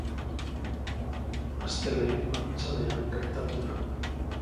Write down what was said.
Astelehen arratsaldean gertatu da.